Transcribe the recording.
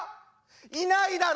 いないだろ。